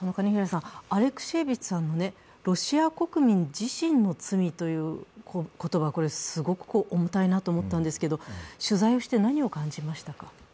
アレクシエーヴィッチさんのロシア国民自身の罪という言葉、すごく重たいなと思ったんですけれども取材をして何を感じましたか？